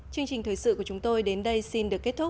chương trình thời sự của chúng tôi đến đây xin được kết thúc